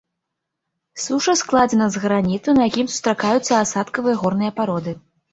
Суша складзена з граніту, на якім сустракаюцца асадкавыя горныя пароды.